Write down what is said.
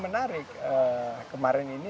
menarik kemarin ini